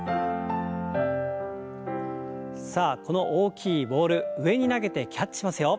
さあこの大きいボール上に投げてキャッチしますよ。